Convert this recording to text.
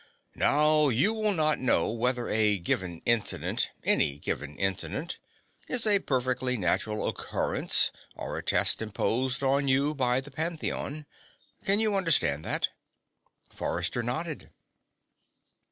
Now, you will not know whether a given incident any given incident is a perfectly natural occurrence or a test imposed on you by the Pantheon. Can you understand that?" Forrester nodded.